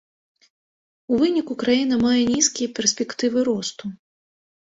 У выніку краіна мае нізкія перспектывы росту.